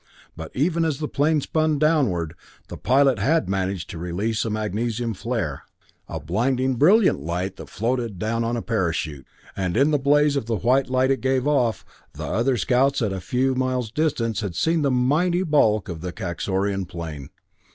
But even as the plane spun downward, the pilot had managed to release a magnesium flare, a blindingly brilliant light that floated down on a parachute, and in the blaze of the white light it gave off, the other scouts at a few miles distance had seen the mighty bulk of the Kaxorian plane.